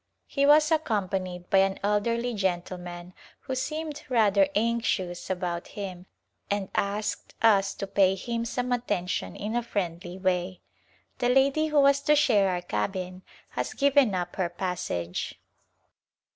He was accompanied by an elderly gentleman who seemed rather anxious about him and asked us to pay him some attention in a friendly way. The lady who was to share our cabin has given up her passage.